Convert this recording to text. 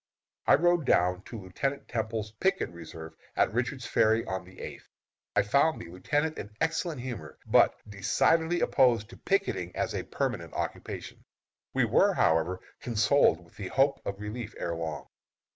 I rode down to Lieutenant Temple's picket reserve, at Richard's Ferry, on the eighth. I found the lieutenant in excellent humor, but decidedly opposed to picketing as a permanent occupation. We were, however, consoled with the hope of relief ere long.